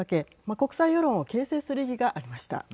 国際世論を形成する意義がありました。